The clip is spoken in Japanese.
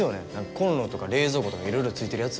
コンロとか冷蔵庫とかいろいろ付いてるやつ。